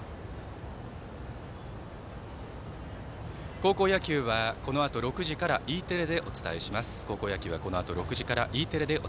高校野球は、このあと６時からＥテレでお伝えします。